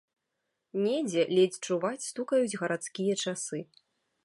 Недзе ледзь чуваць стукаюць гарадскія часы.